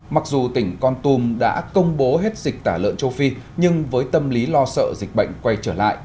mặc dù tỉnh con tum đã công bố hết dịch tả lợn châu phi nhưng với tâm lý lo sợ dịch bệnh quay trở lại